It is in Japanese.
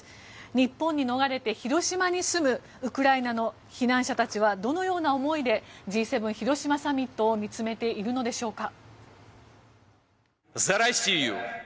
日本に逃れて、広島に住むウクライナの避難者たちはどのような思いでＧ７広島サミットを見つめているのでしょうか。